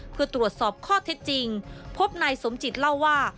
เพื่อตรวจสอบข้อเท็จจริงพบนายสมจิตเล่าว่า